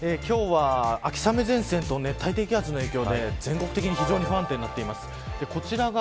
今日は秋雨前線と熱帯低気圧の影響で全国的に非常に不安定です。